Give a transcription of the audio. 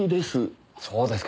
そうですか。